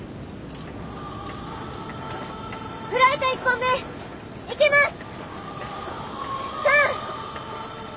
フライト１本目いきます！